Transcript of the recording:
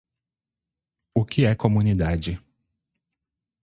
O que é Comunidade.